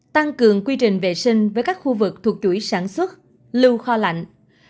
tăng cường quy trình vệ sinh với các khu vực thuộc chuỗi sản xuất lưu kho lạnh